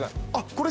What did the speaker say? これ？